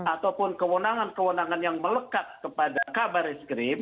ataupun kewenangan kewenangan yang melekat kepada kabar eskrim